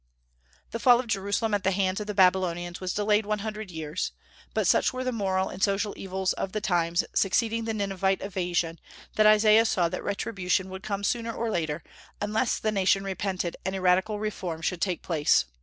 The fall of Jerusalem at the hands of the Babylonians was delayed one hundred years. But such were the moral and social evils of the times succeeding the Ninevite invasion that Isaiah saw that retribution would come sooner or later, unless the nation repented and a radical reform should take place.